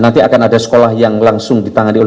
nanti akan ada sekolah yang langsung ditangani oleh